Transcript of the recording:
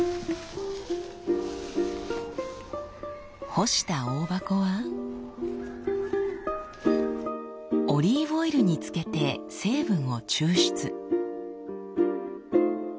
干したオオバコはオリーブオイルに漬けて成分を抽出。